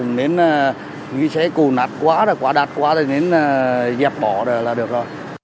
nếu xe cụ nát quá quả đạch quá thì giáp bỏ là được rồi